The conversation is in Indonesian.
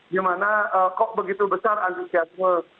gimana kok begitu besar antusiasme